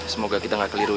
semoga kita nggak keliru ya